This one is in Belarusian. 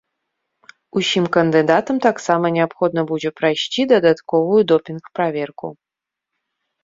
Усім кандыдатам таксама неабходна будзе прайсці дадатковую допінг-праверку.